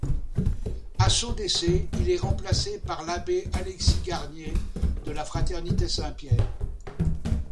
À son décès, il est remplacé par l'abbé Alexis Garnier, de la Fraternité St-Pierre.